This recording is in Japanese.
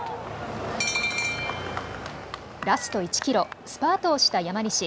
ラスト１キロ、スパートをした山西。